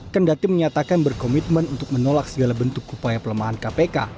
kendati menyatakan berkomitmen untuk menolak segala bentuk upaya pelemahan kpk